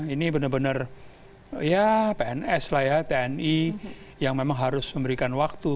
ini benar benar ya pns lah ya tni yang memang harus memberikan waktu